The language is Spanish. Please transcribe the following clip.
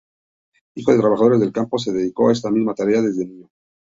Hijo de trabajadores del campo, se dedicó a esta misma tarea desde niño.